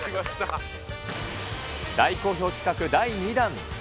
大好評企画第２弾。